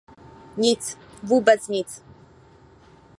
Nic, vůbec nic!